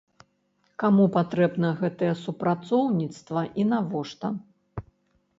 Каму патрэбна гэтае супрацоўніцтва і навошта?